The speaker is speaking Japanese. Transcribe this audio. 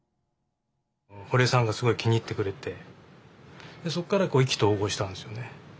堀江さんがすごい気に入ってくれてそこから意気投合したんですよね。